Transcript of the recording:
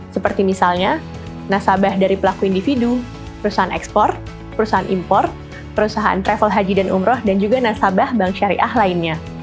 seperti misalnya nasabah dari pelaku individu perusahaan ekspor perusahaan impor perusahaan travel haji dan umroh dan juga nasabah bank syariah lainnya